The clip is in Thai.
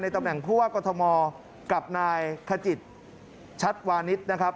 ในตำแหน่งผู้ว่าก็อทมกับนายขจิตชัดวานิษฐ์